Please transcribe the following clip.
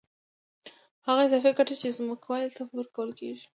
هغه اضافي ګټه چې ځمکوال ته ورکول کېږي